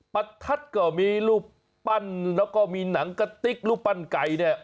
ทัดก็มีรูปปั้นแล้วก็มีหนังกะติ๊กรูปปั้นไก่เนี่ย